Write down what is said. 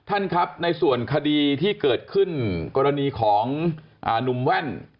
ท่านครับในส่วนคดีที่เกิดขึ้นกรณีของหนุ่มแว่น